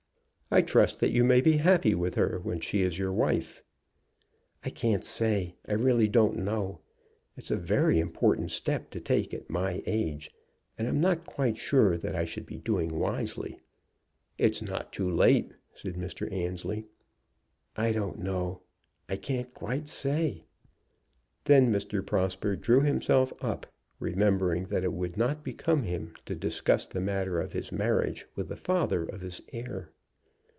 "I trust that you may be happy with her when she is your wife." "I can't say. I really don't know. It's a very important step to take at my age, and I'm not quite sure that I should be doing wisely." "It's not too late," said Mr. Annesley. "I don't know. I can't quite say." Then Mr. Prosper drew himself up, remembering that it would not become him to discuss the matter of his marriage with the father of his heir.